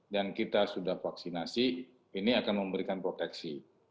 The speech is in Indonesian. dan kita sudah vaksinasi ini akan memberikan proteksi